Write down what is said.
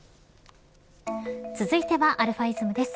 続いてはαｉｓｍです。